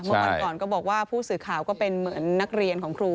เมื่อวันก่อนก็บอกว่าผู้สื่อข่าวก็เป็นเหมือนนักเรียนของครู